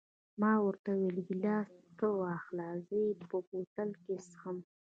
ما ورته وویل: ګیلاس ته واخله، زه یې په بوتل کې څښم.